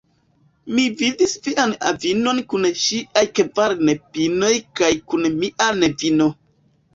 Mi vidis vian avinon kun ŝiaj kvar nepinoj kaj kun mia nevino.